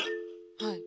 はい。